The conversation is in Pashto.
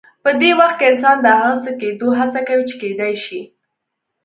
په دې وخت کې انسان د هغه څه کېدو هڅه کوي چې کېدای شي.